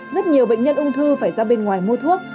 rất nhiều bệnh nhân ung thư phải ra bên ngoài mua thuốc